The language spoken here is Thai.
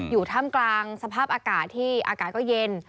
ท่ามกลางสภาพอากาศที่อากาศก็เย็น